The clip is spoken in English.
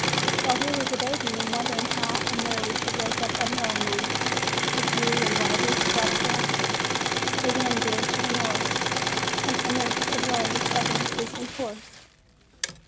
While we were debating and wondering how and where we would rake up a meal amongst the few and widely scattered ranches, the wind veered to the north and commenced to blow with ever increasing force.